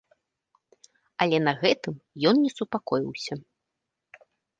Але на гэтым ён не супакоіўся.